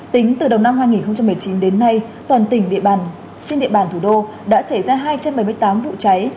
tính từ đầu năm hai nghìn một mươi chín đến nay toàn tỉnh trên địa bàn thủ đô đã xảy ra hai trăm bảy mươi tám vụ cháy